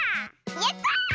やった！